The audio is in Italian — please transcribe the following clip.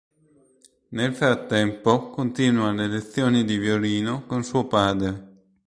Nel frattempo continua le lezioni di violino con suo padre.